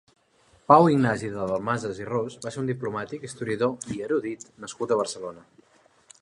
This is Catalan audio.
Pau Ignasi de Dalmases i Ros va ser un diplomàtic, historiador i erudit nascut a Barcelona.